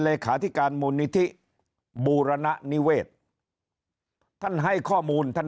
เลขาธิการมูลนิธิบูรณนิเวศท่านให้ข้อมูลท่าน